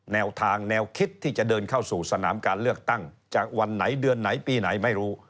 แนวทางแนวคิดที่จะเดินเข้าสู่สนามการเลือกตั้งจากวันไหนเดือนไหนปีไหนไม่รู้